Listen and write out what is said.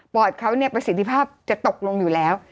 อดเขาประสิทธิภาพจะตกลงอยู่แล้ว